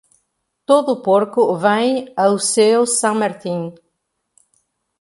Todo porco vem ao seu San Martín.